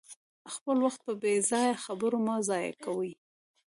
خپل وخت په بې ځایه خبرو مه ضایع کوئ.